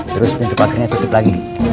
terus pintu parkirnya tutup lagi